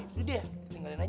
udah deh tinggalin aja